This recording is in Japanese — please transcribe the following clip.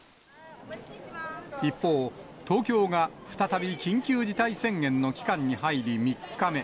一方、東京が再び緊急事態宣言の期間に入り、３日目。